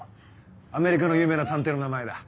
アメリカの有名な探偵の名前だ。